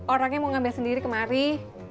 orangnya mau ngambil sendiri kemari